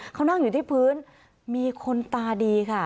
เขานั่งอยู่ที่พื้นมีคนตาดีค่ะ